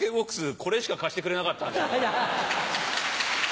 これしか貸してくれなかったんですよね。